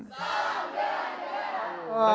salam jalan jalan